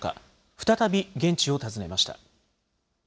再び現地を訪ねました。